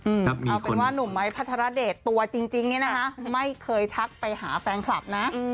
เอาเป็นว่านุ่มไม้พัทรเดชตัวจริงเนี่ยนะคะไม่เคยทักไปหาแฟนคลับนะ